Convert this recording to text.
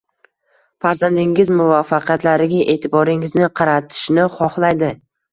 Farzandingiz muvaffaqiyatlariga e’tiboringizni qaratishni xohlaydi.